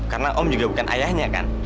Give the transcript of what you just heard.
karena om juga bukan ayahnya kan